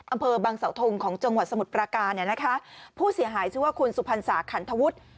อำเภอบังเสาทงของจังหวัดสมุทรปราการเนี่ยนะคะผู้เสียหายชื่อว่าคุณสุพรรณสาขันทวุฒิ